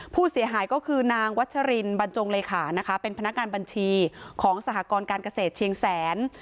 ผู้เสียหายก็คือนางวัชรินบรรจงเลขานะคะเป็นพนักงานบัญชีของสหกรการเกษตรเชียงแสน